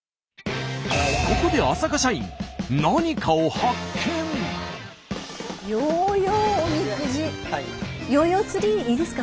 ここで浅香社員ヨーヨー釣りいいですか？